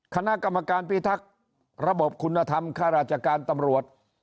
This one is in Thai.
คณะกรรมการพิทักษ์ระบบคุณธรรมค่าราชการตำรวจ